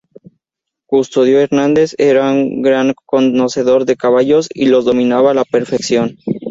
Custodio Hernández era un gran conocedor de caballos y los dominaba a la perfección.